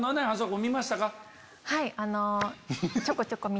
はい。